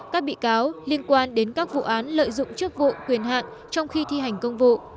các bị cáo liên quan đến các vụ án lợi dụng chức vụ quyền hạn trong khi thi hành công vụ